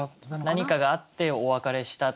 何かがあってお別れした。